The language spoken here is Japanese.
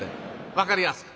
分かりやすい。